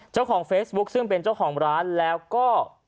เจ้าของเฟซบุ๊คซึ่งเป็นเจ้าของร้านแล้วก็